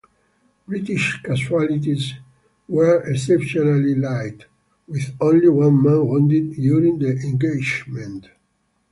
British casualties were exceptionally light, with only one man wounded during the engagement.